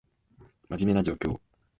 真面目な状況